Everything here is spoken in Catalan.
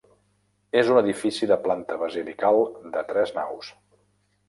És un edifici de planta basilical de tres naus.